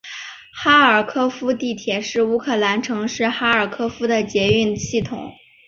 哈尔科夫地铁是乌克兰城市哈尔科夫的捷运系统。